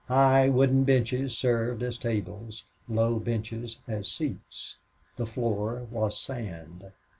High wooden benches served as tables, low benches as seats. The floor was sand.